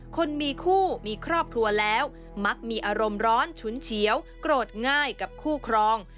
คนมีคู่มีครอบครัวแล้วมักมีอารมณ์ร้อนฉุนเฉียวโกรธง่ายกับคู่ครอง